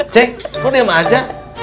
ceng kok diem aja